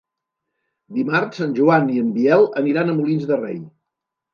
Dimarts en Joan i en Biel aniran a Molins de Rei.